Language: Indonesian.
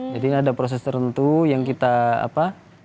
jadi ini ada proses tertentu yang kita apa